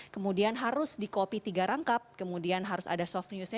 kemudian harus di copy tiga rangkap kemudian harus ada soft news nya